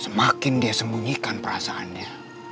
semakin dia sembunyikan perasaannya